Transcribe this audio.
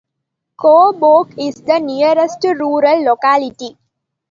Khobokh is the nearest rural locality.